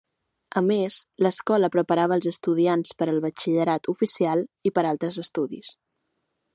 A més, l'escola preparava als estudiants per al batxillerat oficial i per a altres estudis.